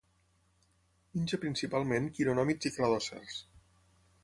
Menja principalment quironòmids i cladòcers.